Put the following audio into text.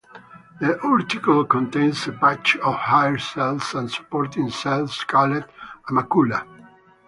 The utricle contains a patch of hair cells and supporting cells called a macula.